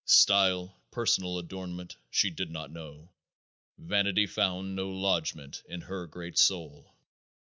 Style, personal adornment, she did not know; vanity found no lodgment in her great soul.